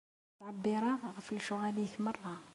Ttɛebbiṛeɣ ɣef lecɣal-ik merra.